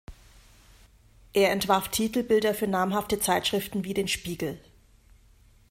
Er entwarf Titelbilder für namhafte Zeitschriften wie den "Spiegel".